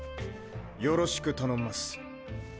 よろしく頼んます。